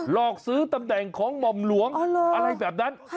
อกซื้อตำแหน่งของหม่อมหลวงอะไรแบบนั้น